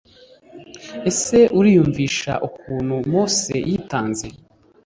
ese uriyumvisha ukuntu mose yitanze?